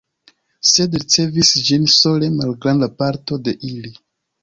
Sed ricevis ĝin sole malgranda parto de ili.